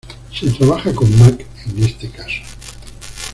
Se trabaja con Mac en este caso.